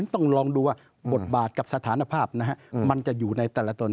ต้องลองดูว่าบทบาทกับสถานภาพมันจะอยู่ในแต่ละตน